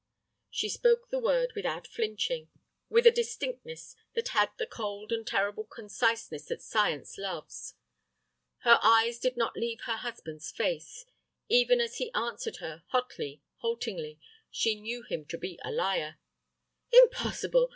She spoke the word without flinching, with a distinctness that had that cold and terrible conciseness that science loves. Her eyes did not leave her husband's face. Even as he answered her, hotly, haltingly, she knew him to be a liar. "Impossible!